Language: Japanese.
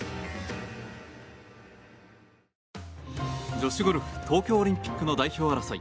女子ゴルフ東京オリンピックの代表争い。